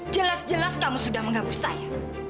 jelas jelas kamu sudah menghapus saya